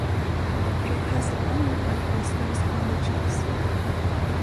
It has long white whiskers on the cheeks.